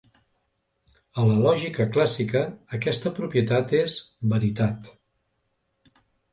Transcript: A la lògica clàssica, aquesta propietat és "veritat".